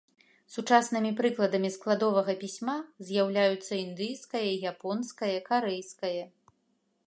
Сучаснымі прыкладамі складовага пісьма з'яўляюцца індыйскае, японскае, карэйскае.